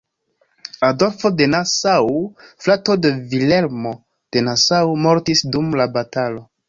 Adolfo de Nassau, frato de Vilhelmo de Nassau, mortis dum la batalo.